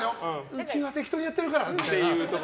うちは適当にやってるからって。